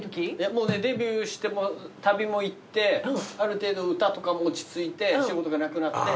もうねデビューして旅も行ってある程度歌とかも落ち着いて仕事がなくなって。